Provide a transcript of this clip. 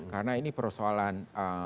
karena ini persoalan